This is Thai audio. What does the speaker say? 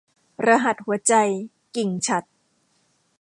รหัสหัวใจ - กิ่งฉัตร